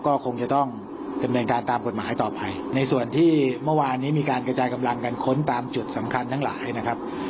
ก็คงจะต้องดำเนินการตามกฎหมายต่อไปในส่วนที่เมื่อวานนี้มีการกระจายกำลังกันค้นตามจุดสำคัญทั้งหลายนะครับ